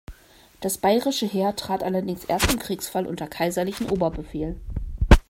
Das bayerische Heer trat allerdings erst im Kriegsfall unter kaiserlichen Oberbefehl.